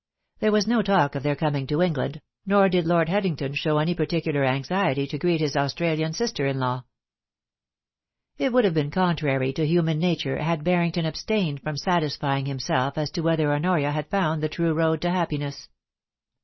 There was no talk of their coming to England, nor did Lord Headington show any particular anxiety to greet his Australian sister in law. It would have been contrary to human nature had Bar THE KNOTTING OF THE THREADS. 439 rington abstained from satisfying himself as to whether Honoria bad found the true road to happiness.